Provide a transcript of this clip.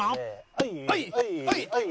はいはいはいはい。